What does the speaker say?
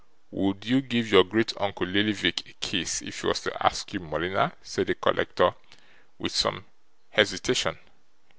'Would you give your great uncle Lillyvick a kiss if he was to ask you, Morleena?' said the collector, with some hesitation.